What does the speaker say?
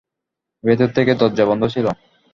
ভেতর থেকে দরজা বন্ধ ছিল।